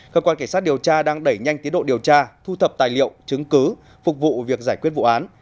cơ quan cảnh sát điều tra đang đẩy nhanh tiến độ điều tra thu thập tài liệu chứng cứ phục vụ việc giải quyết vụ án